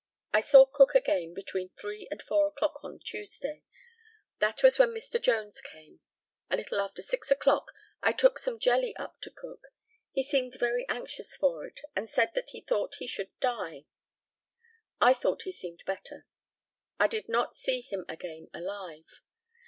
I saw Cook again between three and four o'clock on Tuesday. That was when Mr. Jones came. A little after six o'clock I took some jelly up to Cook. He seemed very anxious for it, and said that he thought he should die. I thought he seemed better. I did not see him again alive.